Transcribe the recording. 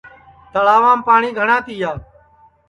تݪاوام پاٹؔی گھٹؔا تِیا